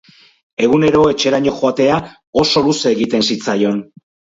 Egunero etxeraino joatea oso luze egiten zitzaion.